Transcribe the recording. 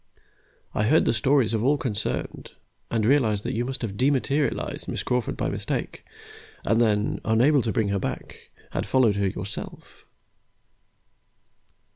I heard the stories of all concerned, and realized that you must have dematerialized Miss Crawford by mistake, and then, unable to bring her back, had followed her yourself.